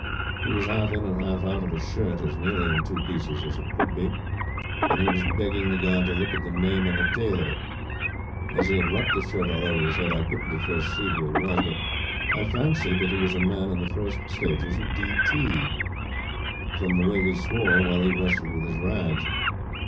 He was half in and half out of a shirt as nearly in two pieces as it could be, and he was begging the guard to look at the name on the tail of it. As he had rucked the shirt all over his head, I couldn't at first see who he was, but I fancied that he was a man in the first stage of D. T. from the way he swore while he wrestled with his rags.